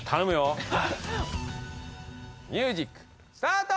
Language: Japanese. ミュージックスタート！